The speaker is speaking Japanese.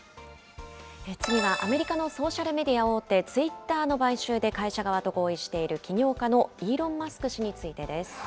次は、アメリカのソーシャルメディア大手、ツイッターの買収で会社側と合意している、企業家のイーロン・マスク氏についてです。